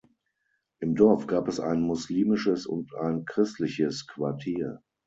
Im Dorf gab es ein muslimisches und ein christliches Quartier.